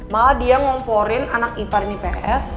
malah dia ngomporin anak ipar dan ips